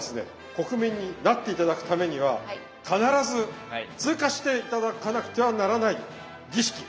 国民になって頂くためには必ず通過して頂かなくてはならない儀式。